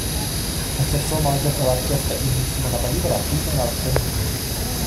Мастерство молодежного оркестра имени Симона Боливара признано во всем мире.